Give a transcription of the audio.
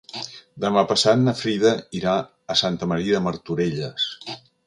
Demà passat na Frida irà a Santa Maria de Martorelles.